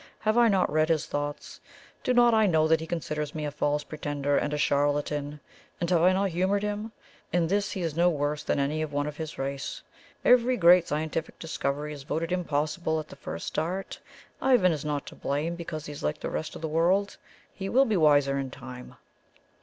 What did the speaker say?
Have I not read his thoughts? Do not I know that he considers me a false pretender and CHARLATAN? And have I not humoured him? In this he is no worse than any one of his race. Every great scientific discovery is voted impossible at the first start. Ivan is not to blame because he is like the rest of the world. He will be wiser in time."